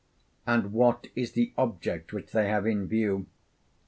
and what is the object which they have in view?